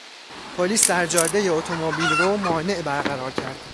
پلیس در جادهی اتومبیل رو مانع برقرار کرد.